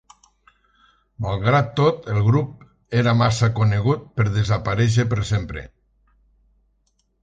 Malgrat tot, el grup era massa conegut per desaparèixer per sempre.